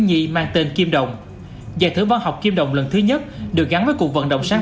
nhi mang tên kim đồng giải thưởng văn học kim đồng lần thứ nhất được gắn với cuộc vận động sáng